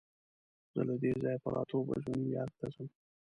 زه له دې ځایه پر اتو بجو نیویارک ته ځم.